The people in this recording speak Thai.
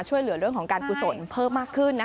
ช่วยเหลือเรื่องของการกุศลเพิ่มมากขึ้น